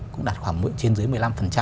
cũng đạt khoảng trên dưới một mươi năm